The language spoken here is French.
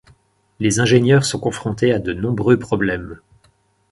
Les ingénieurs sont confrontés à de nombreux problèmes.